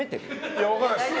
いや、分からないです。